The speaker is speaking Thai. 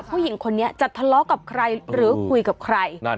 ผู้หญิงคนนี้จะทะเลาะกับใครหรือคุยกับใคร